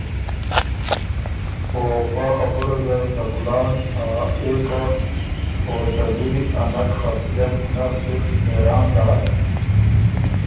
او پا خبُره زر ته کلان ا اېکه او ته دُوي ا نک خپتئن نۀ صرف حېران داک۔